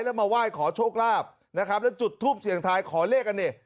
แล้วมาไหว้ขอโชคลาภนะครับแล้วจุดทูปเสียงทายขอเลขกันนี่